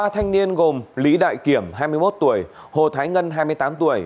ba thanh niên gồm lý đại kiểm hai mươi một tuổi hồ thái ngân hai mươi tám tuổi